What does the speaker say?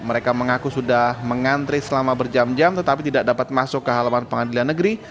mereka mengaku sudah mengantri selama berjam jam tetapi tidak dapat masuk ke halaman pengadilan negeri